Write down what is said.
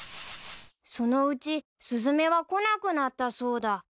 ［そのうちスズメは来なくなったそうだ］